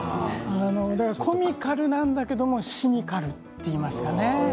コミカルなんだけどシニカルといいますか。